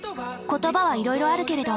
言葉はいろいろあるけれど。